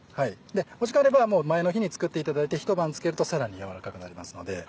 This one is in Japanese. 時間あれば前の日に作っていただいてひと晩漬けるとさらに軟らかくなりますので。